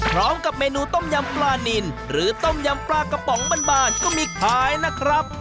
พร้อมกับเมนูต้มยำปลานินหรือต้มยำปลากระป๋องบ้านก็มีขายนะครับ